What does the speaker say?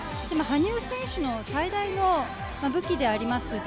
でも羽生選手の最大の武器であります